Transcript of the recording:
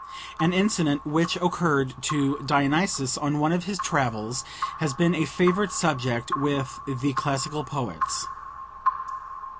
An incident which occurred to Dionysus on one of his travels has been a favourite subject with the classic poets.